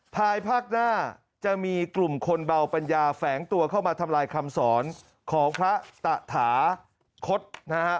ภายภาคหน้าจะมีกลุ่มคนเบาปัญญาแฝงตัวเข้ามาทำลายคำสอนของพระตะถาคศนะฮะ